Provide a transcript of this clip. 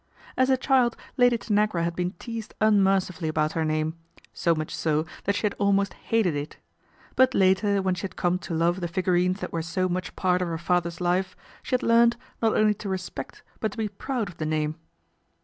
As a child Lady Tanagra had been teased un nercifully about her name, so much so that she had Imost hated it ; but later when she had come to ove the figurines that were so much part of her ather's life, she had learned, not only to respect, >ut to be proud of the name.